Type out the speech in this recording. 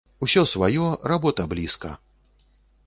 Усё сваё, работа блізка.